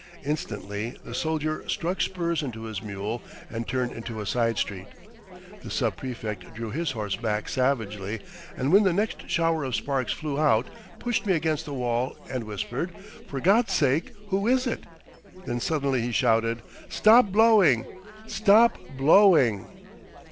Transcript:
Instantly the soldier struck spurs into his mule and turned into a side street. The sub prefect drew his horse back savagely, and when the next shower of sparks flew out pushed me against the wall and whispered, 'For God's sake, who is it?' Then suddenly he shouted. 'Stop blowing! Stop blowing!'